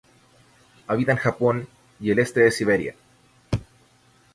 Habita en Japón y el este de Siberia.